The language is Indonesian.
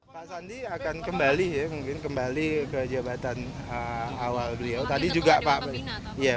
pak sandi akan kembali ya mungkin kembali ke jabatan awal beliau